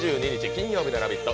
金曜日の「ラヴィット！」